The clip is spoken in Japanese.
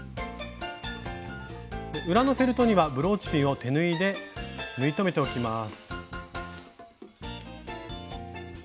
裏のフェルトにはブローチピンを手縫いで縫い留めておきます。